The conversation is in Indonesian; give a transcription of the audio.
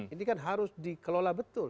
ini kan harus dikelola betul